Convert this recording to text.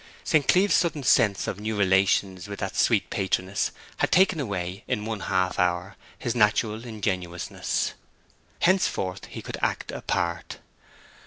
St. Cleeve's sudden sense of new relations with that sweet patroness had taken away in one half hour his natural ingenuousness. Henceforth he could act a part.